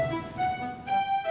bu aku in